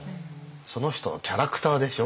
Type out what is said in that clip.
その人のキャラクターでしょ？